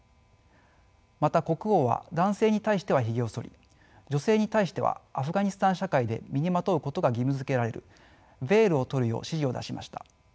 また国王は男性に対しては髭をそり女性に対してはアフガニスタン社会で身にまとうことが義務づけられるヴェールを取るよう指示を出しました。